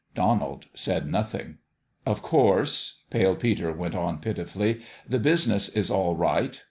Donald said nothing. "Of course," Pale Peter went on, pitifully, "the business is all right.